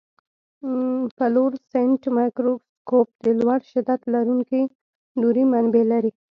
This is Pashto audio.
فلورسنټ مایکروسکوپ د لوړ شدت لرونکي نوري منبع لري.